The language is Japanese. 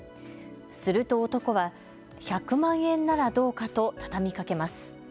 すると男は１００万円ならどうかと畳みかけます。